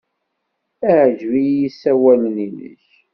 Ɛejben-iyi yisawalen-nnek.